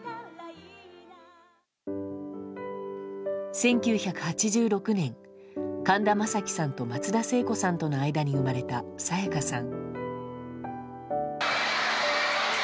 １９８６年、神田正輝さんと松田聖子さんとの間に生まれた沙也加さん。